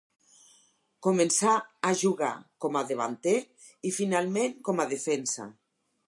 Començà a jugar com a davanter i finalment com a defensa.